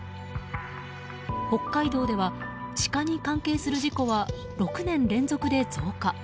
北海道ではシカに関係する事故は６年連続で増加。